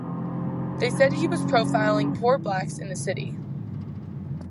They said he was profiling poor blacks in the city.